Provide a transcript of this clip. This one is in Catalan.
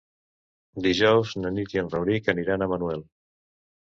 Dijous na Nit i en Rauric aniran a Manuel.